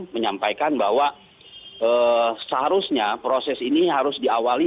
menyampaikan bahwa seharusnya proses ini harus diawali